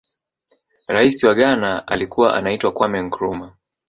raisi wa ghana alikuwa anaitwa kwame nkurumah